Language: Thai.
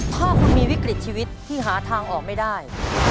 ถ้าคุณมีวิกฤตชีวิตที่หาทางออกไม่ได้